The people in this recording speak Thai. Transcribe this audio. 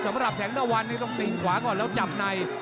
สำหรับแสงตะวันนี่ต้องติ่งขวาก่อนแล้วจับใน